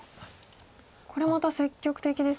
これまた積極的ですね。